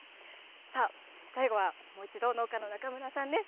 さあ、最後はもう一度、農家の中村さんです。